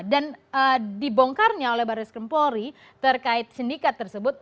dan dibongkarnya oleh baris kempori terkait sindikat tersebut